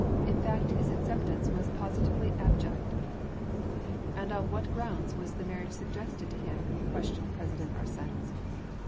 In fact his acceptance was positively abject." "And on what grounds was the marriage suggested to him?" questioned President Arsens.